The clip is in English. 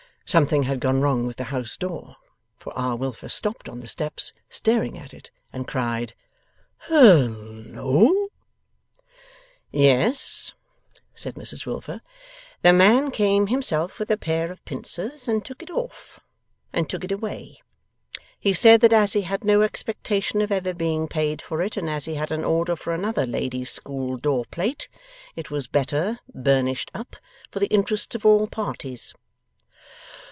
Something had gone wrong with the house door, for R. Wilfer stopped on the steps, staring at it, and cried: 'Hal loa?' 'Yes,' said Mrs Wilfer, 'the man came himself with a pair of pincers, and took it off, and took it away. He said that as he had no expectation of ever being paid for it, and as he had an order for another LADIES' SCHOOL door plate, it was better (burnished up) for the interests of all parties.